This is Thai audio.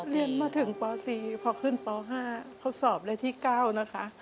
เรียนมาถึงป๔พอขึ้นป๕เขาสอบเลขที่๙นะคะ